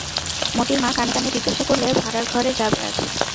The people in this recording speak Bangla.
মোতির মা কানে কানে জিজ্ঞাসা করলে, ভাঁড়ারঘরে যাবে আজ?